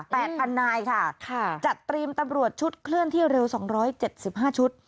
แต่อันไนค่ะจัดเตรียมตำรวจชุดเคลื่อนที่เร็ว๒๗๕ชุด